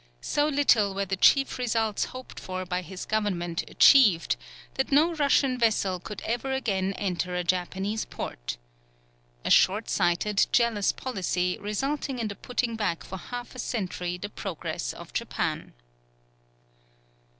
So little were the chief results hoped for by his government achieved, that no Russian vessel could ever again enter a Japanese port. A short sighted, jealous policy, resulting in the putting back for half a century the progress of Japan.